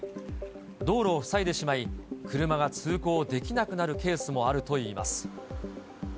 道路を塞いでしまい、車が通行できなくなるケースもあるといいます。